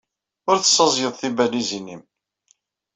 Ur tessaẓyed tibalizin-nnem.